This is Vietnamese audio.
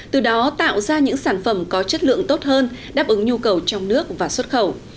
từ đó tạo ra những sản phẩm có chất lượng tốt hơn đáp ứng nhu cầu trong nước và xuất khẩu